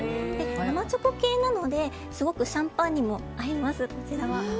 生チョコ系なのですごくシャンパンにも合います。